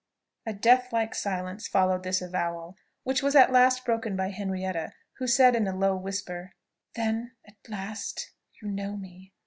A deathlike silence followed this avowal, which was at last broken by Henrietta, who said in a low whisper, "Then at last you know me!"